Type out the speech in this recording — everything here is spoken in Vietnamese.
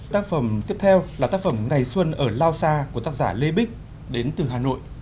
tác phẩm tiếp theo là tác phẩm ngày xuân ở lao sa của tác giả lê bích đến từ hà nội